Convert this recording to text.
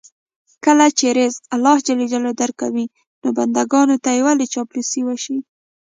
کله چې رزق الله ج درکوي، نو بندګانو ته یې ولې چاپلوسي وشي.